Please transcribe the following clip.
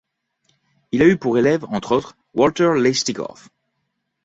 Il a eu pour élève entre autres Walter Leistikow.